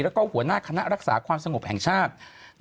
แล้วก็หัวหน้าคณะรักษาความสงบแห่งชาติ